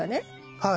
はい。